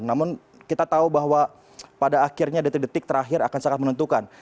namun kita tahu bahwa pada akhirnya detik detik terakhir akan sangat menentukan